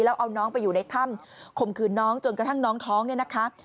แล้วเอาน้องไปอยู่ในถ้ำข่มขืนน้องจนกระทั่งน้องท้องเนี่ยนะคะ